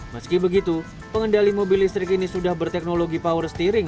meski begitu pengendali mobil listrik ini sudah berteknologi power steering